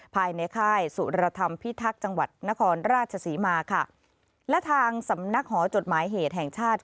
ภายในค่ายสุรธรรมพิทักษ์จังหวัดนครราชศรีมาค่ะและทางสำนักหอจดหมายเหตุแห่งชาติ